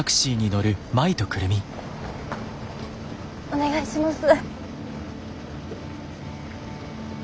お願いします。